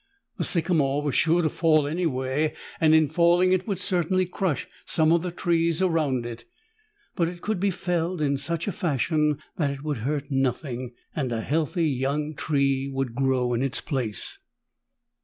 The sycamore was sure to fall anyway, and in falling it would certainly crush some of the trees around it. But it could be felled in such a fashion that it would hurt nothing, and a healthy young tree would grow in its place.